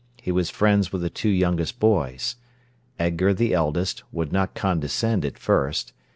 He was friends with the two youngest boys. Edgar, the eldest, would not condescend at first.